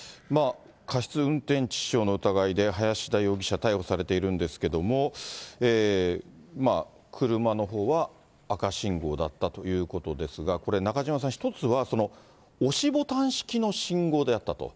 過失運転致死傷の疑いで、林田容疑者、逮捕されているんですけれども、車のほうは赤信号だったということですが、これ、中島さん、１つは押しボタン式の信号であったと。